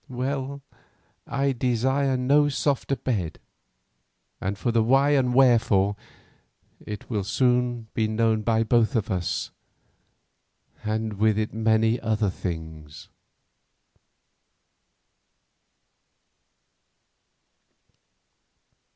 Well, I desire no softer bed, and for the why and wherefore it will soon be known by both of us, and with it many other things."